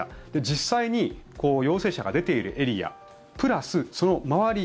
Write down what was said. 実際に陽性者が出ているエリアプラスその周り